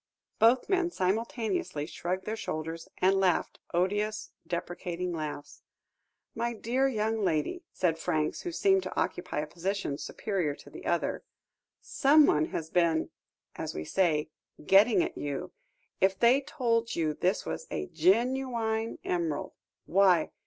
Both men simultaneously shrugged their shoulders and laughed, odious, deprecating laughs. "My dear young lady," said Franks, who seemed to occupy a position superior to the other, "someone has been, as we say, 'getting at' you, if they told you this was a genuine emerald. Why!